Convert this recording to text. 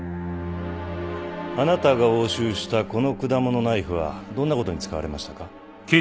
あなたが押収したこの果物ナイフはどんな事に使われましたか？